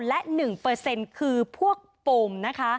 และ๑คือพวกปม